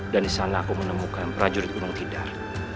dan di sana aku menemukan prajurit unung kidar